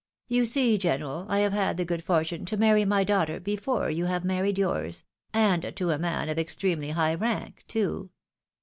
" You see, general, I have had the good for tune to marry my daughter before you have married yours — and to a man of extremely high rank too.